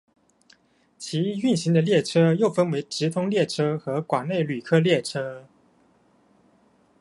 其运行的列车又分为直通旅客列车与管内旅客列车。